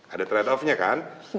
ada trade offnya kan